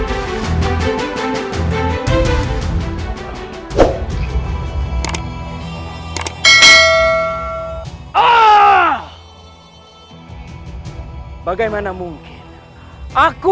hai yang mengalahkan aku